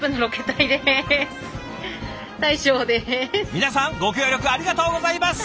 皆さんご協力ありがとうございます！